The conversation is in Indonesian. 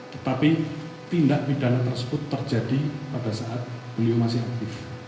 tetapi tindak pidana tersebut terjadi pada saat beliau masih aktif